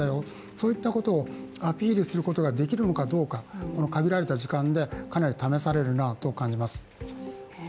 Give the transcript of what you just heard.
そういったことをアピールすることができるのかどうか限られた時間でかなり試されるなと感じます。